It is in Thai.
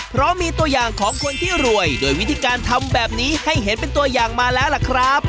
เพราะมีตัวอย่างของคนที่รวยโดยวิธีการทำแบบนี้ให้เห็นเป็นตัวอย่างมาแล้วล่ะครับ